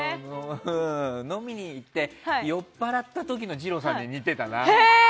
飲みに行って酔っぱらった時の二朗さんに似ていたな。